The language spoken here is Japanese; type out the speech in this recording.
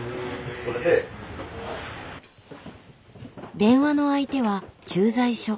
電話の相手は駐在所。